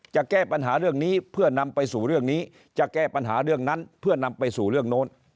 จะแก้ปัญหาเรื่องนี้เพื่อนำไปสู่เรื่องนี้จะแก้ปัญหาเรื่องนั้นเพื่อนำไปสู่เรื่องโน้น